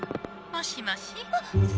あ！もしもし！